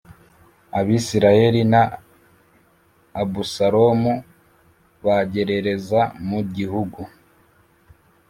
abisirayeli na abusalomu bagerereza mu gihugu